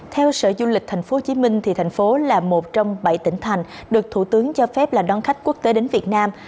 theo sở du lịch tp hcm thành phố là một trong bảy tỉnh thành được thủ tướng cho phép là đón khách quốc tế đến việt nam